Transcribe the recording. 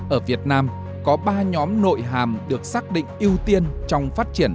ở việt nam có ba nhóm nội hàm được xác định ưu tiên trong phát triển